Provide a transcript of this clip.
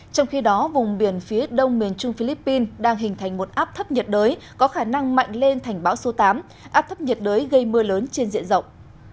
trong khi đó vùng biển phía đông miền trung philippines đang hình thành một áp thấp nhiệt đới có khả năng mạnh lên thành bão số tám áp thấp nhiệt đới gây mưa lớn trên diện rộng